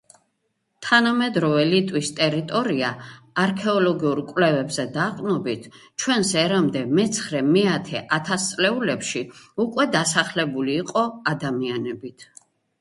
თანამედროვე ლიტვის ტერიტორია, არქეოლოგიურ კვლევებზე დაყრდნობით, ჩვენს ერამდე მეცხრე-მეათე ათასწლეულებში უკვე დასახლებული იყო ადამიანებით.